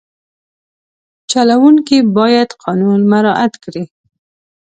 چلوونکی باید قانون مراعت کړي.